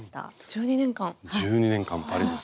１２年間パリですよ。